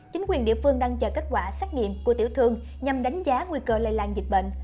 chính quyền địa phương đang chờ kết quả xét nghiệm của tiểu thương nhằm đánh giá nguy cơ lây lan dịch bệnh